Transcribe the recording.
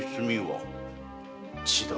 血だ。